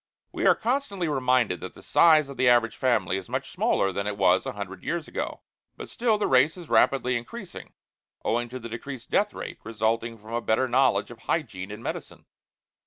We are constantly reminded that the size of the average family is much smaller than it was a hundred years ago but still the race is rapidly increasing, owing to the decreased death rate resulting from a better knowledge of hygiene and medicine.